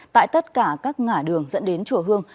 tại tất cả các ngã đường dẫn đến chùa hương